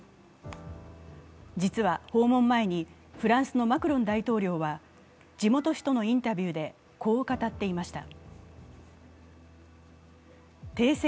実は訪問前にフランスのマクロン大統領は地元紙とのインタビューで、こう語っていました。